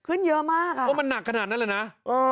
ขึ้นเยอะมากอะก็มันนักขนาดนั้นเลยนะอ่า